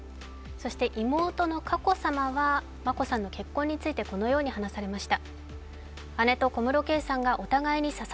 そして妹の佳子さまは眞子さんの結婚についてこのように話しました。